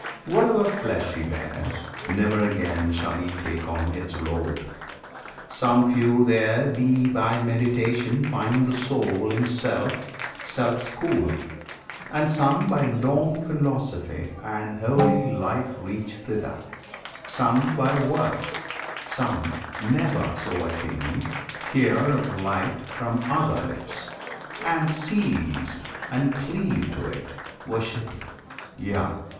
Whatever flesh he bears, never again Shall he take on its load. Some few there be By meditation find the Soul in Self Self schooled; and some by long philosophy And holy life reach thither; some by works: Some, never so attaining, hear of light From other lips, and seize, and cleave to it Worshipping; yea!